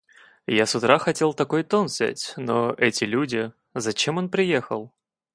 Я с утра хотела такой тон взять, но эти люди... Зачем он приехал?